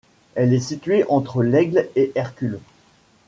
Elle est située entre l'Aigle et Hercule.